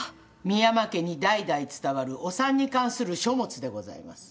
深山家に代々伝わるお産に関する書物でございます。